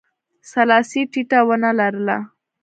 سلاسي ټیټه ونه لرله.